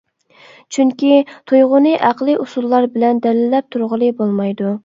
چۈنكى، تۇيغۇنى ئەقلى ئۇسۇللار بىلەن دەلىللەپ تۇرغىلى بولمايدۇ.